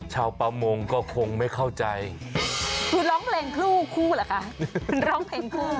ชาวประมงก็คงไม่เข้าใจคือร้องเพลงคู่คู่เหรอคะคุณร้องเพลงคู่